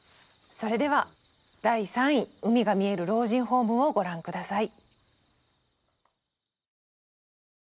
それでは第３位「海が見える老人ホーム」をご覧下さい。